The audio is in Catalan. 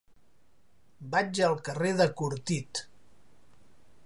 Vaig al carrer de Cortit.